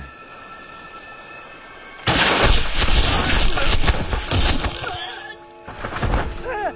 うっ！